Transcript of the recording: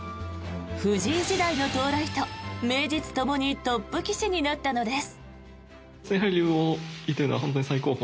藤井時代の到来と、名実ともにトップ棋士になったのです。